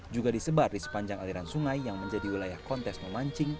juga disebar di sepanjang aliran sungai yang menjadi wilayah kontes memancing